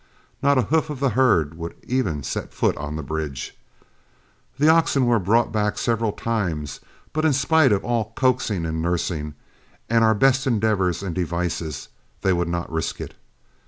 Not a hoof of the herd would even set foot on the bridge. The oxen were brought back several times, but in spite of all coaxing and nursing, and our best endeavors and devices, they would not risk it.